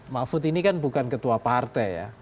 mahfud ini kan bukan ketua partai ya